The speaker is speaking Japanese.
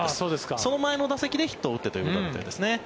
その前の打席でヒットを打ったということだったんですね。